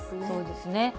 そうですね。